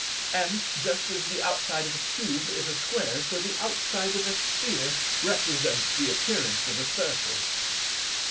And, just as the outside of a Cube is a Square, so the outside of a Sphere represents the appearance of a Circle."